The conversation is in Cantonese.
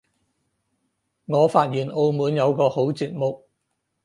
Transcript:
我發現澳門有個好節目